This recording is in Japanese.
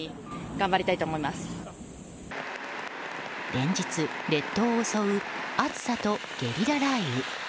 連日、列島を襲う暑さとゲリラ雷雨。